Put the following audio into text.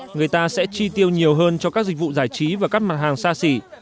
người ta sẽ chi tiêu nhiều hơn cho các dịch vụ giải trí và các mặt hàng xa xỉ